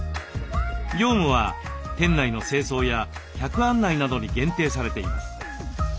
業務は店内の清掃や客案内などに限定されています。